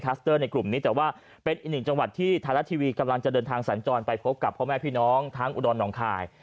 ในกลุ่มนี้แต่ว่าเป็นอีกหนึ่งจังหวัดที่ไทยรัฐทีวีกำลังจะเดินทางสัญจรไปพบกับพ่อแม่พี่น้องทั้งอุดรหนองคาย